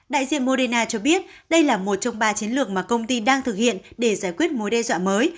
đại diện moderna cho biết đây là một trong ba chiến lược mà công ty đang thực hiện để giải quyết mối đe dọa mới